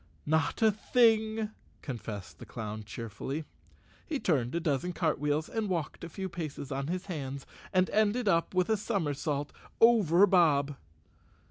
"Not a thing," confessed the clown cheerfully. He turned a dozen cartwheels, walked a few paces on his hands, and ended up with a somersault over Bob.